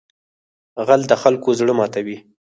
غل د خلکو زړه ماتوي